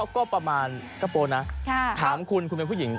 ก็ประมาณกระโปรนะถามคุณคุณเป็นผู้หญิง